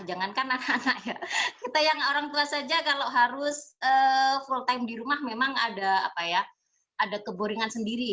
jangankan anak anak ya kita yang orang tua saja kalau harus full time di rumah memang ada keboringan sendiri